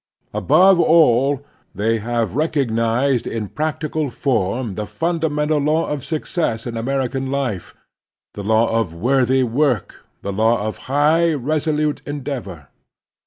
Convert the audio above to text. Above all, they have recognized in practical form the ftmdamental law of success in American life — the law of worthy work, the law of high, resolute endeavor.